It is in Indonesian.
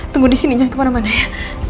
tunggu di sini jangan kemana mana ya